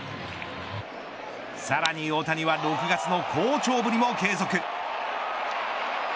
さらに大谷は６月の好調ぶりも継続。